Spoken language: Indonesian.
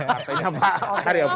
artinya pak ariopi